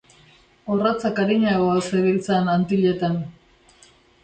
Orratzak arinago al zebiltzan Antilletan?